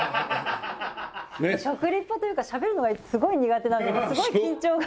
食リポというかしゃべるのがすごい苦手なのですごい緊張が。